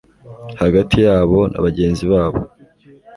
hagati yabo na bagenzi babo